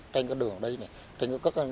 trên đường đi